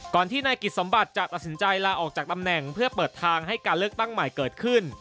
ที่นายกิจสมบัติจะตัดสินใจลาออกจากตำแหน่งเพื่อเปิดทางให้การเลือกตั้งใหม่เกิดขึ้น